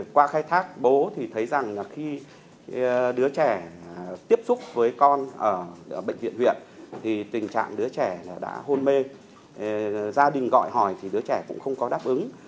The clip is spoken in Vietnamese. qua khai thác bố thì thấy rằng là khi đứa trẻ tiếp xúc với con ở bệnh viện huyện thì tình trạng đứa trẻ đã hôn mê gia đình gọi hỏi thì đứa trẻ cũng không có đáp ứng